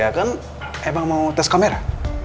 ya kan emang mau tes kamera